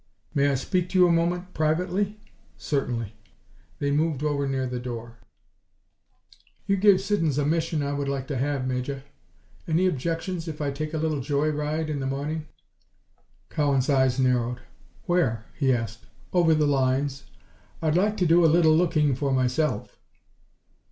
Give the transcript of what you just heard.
"May I speak to you a moment privately?" "Certainly." They moved over near the door. "You gave Siddons a mission I would like to have, Major. Any objections if I take a little joy ride in the morning?" Cowan's eyes narrowed. "Where?" he asked. "Over the lines. I'd like to do a little looking for myself."